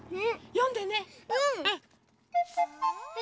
よんでね！